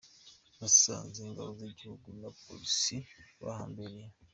Nasanze Ingabo z’igihugu na Polisi bahambereye’.